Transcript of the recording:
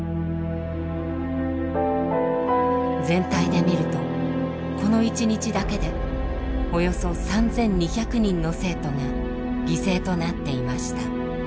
全体で見るとこの一日だけでおよそ３，２００人の生徒が犠牲となっていました。